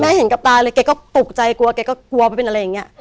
เห็นกับตาเลยแกก็ตกใจกลัวแกก็กลัวมันเป็นอะไรอย่างนี้